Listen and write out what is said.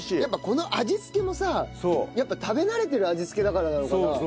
やっぱこの味付けもさやっぱ食べ慣れてる味付けだからなのかな？